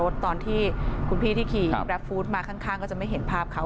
เด็กไม่สบายมากเลย